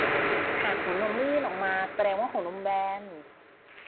หากหัวนมไม่ยื่นออกมาแสดงว่าหัวนมแบน